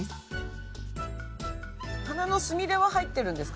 花のスミレは入っているんですか？